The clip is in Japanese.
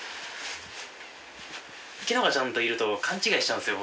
樹乃香ちゃんといると勘違いしちゃうんすよ